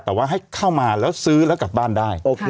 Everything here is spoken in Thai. แต่ว่าให้เข้ามาแล้วซื้อแล้วกลับบ้านได้